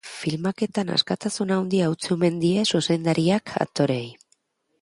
Filmaketan askatasun handia utzi omen die zuzendariak aktoreei.